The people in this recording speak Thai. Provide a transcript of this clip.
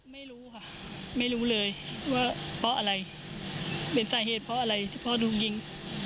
ไม่รู้ค่ะไม่รู้เลยว่าเพราะอะไรเป็นสาเหตุเพราะอะไรที่พ่อถูกยิง